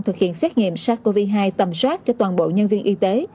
thực hiện xét nghiệm sars cov hai tầm soát cho toàn bộ nhân viên y tế